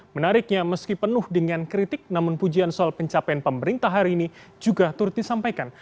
menariknya meski penuh dengan kritik namun pujian soal pencapaian pemerintah hari ini juga turut disampaikan